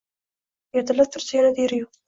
Ertalab tursa, yonida eri yo‘q.